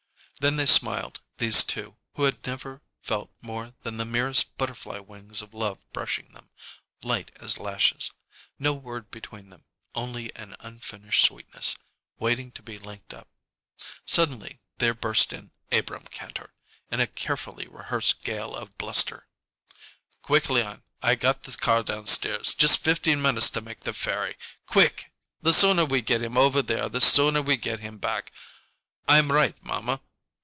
Then they smiled, these two, who had never felt more than the merest butterfly wings of love brushing them, light as lashes. No word between them, only an unfinished sweetness, waiting to be linked up. Suddenly there burst in Abrahm Kantor, in a carefully rehearsed gale of bluster. "Quick, Leon! I got the car down stairs. Just fifteen minutes to make the ferry. Quick! The sooner we get him over there the sooner we get him back! I'm right, mamma?